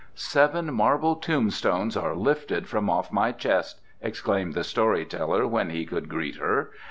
"Seven marble tombstones are lifted from off my chest!" exclaimed the story teller when he could greet her.